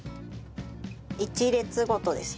１列ごとです。